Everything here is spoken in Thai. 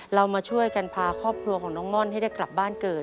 เรามาช่วยกันพาครอบครัวของน้องม่อนให้ได้กลับบ้านเกิด